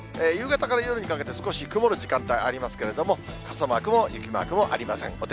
夕方から夜にかけて少し曇る時間帯ありますけれども、傘マークも雪マークもありません。